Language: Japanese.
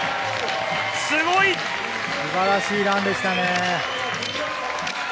すごい！素晴らしいランでしたね。